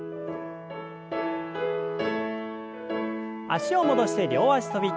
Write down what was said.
脚を戻して両脚跳び。